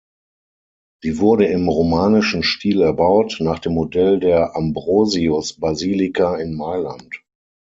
Sie wurde im romanischen Stil erbaut, nach dem Modell der Ambrosius-Basilika in Mailand.